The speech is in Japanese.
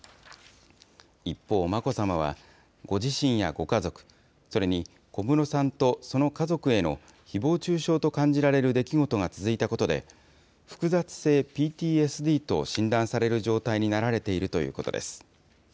一方、眞子さまはご自身やご家族、それに小室さんとその家族へのひぼう中傷と感じられる出来事が続いたことで、複雑性ＰＴＳＤと診断される状態になられているということです。